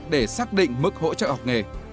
để xác định mức hỗ trợ học nghề